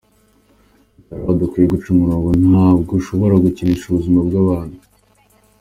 Ati “ Hari aho dukwiye guca umurongo, ntabwo ushobora gukinisha ubuzima bw’abantu.